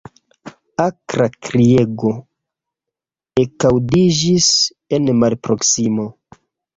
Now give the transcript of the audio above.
Akra kriego ekaŭdiĝis en malproksimo.